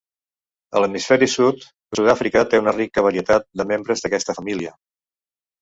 A l'hemisferi sud, Sud-àfrica té una rica varietat de membres d'aquesta família.